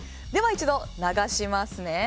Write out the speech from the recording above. では、一度流しますね。